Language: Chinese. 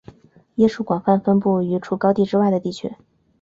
椰树广泛分布于除高地之外的地区。